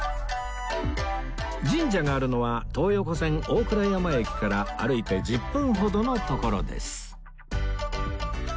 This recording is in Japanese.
神社があるのは東横線大倉山駅から歩いて１０分ほどの所です